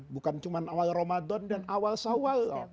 bukan cuma awal ramadan dan awal sawal loh